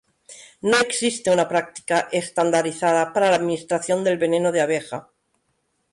No existe una práctica estandarizada para la administración del veneno de abeja.